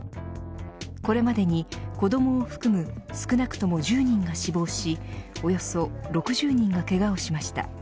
これまでに子どもを含む少なくとも１０人が死亡しおよそ６０人がけがをしました。